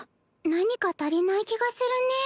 何か足りない気がするね。